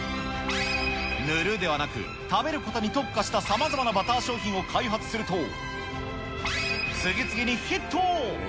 塗るではなく、食べることに特化したさまざまなバター商品を開発すると、次々にヒット。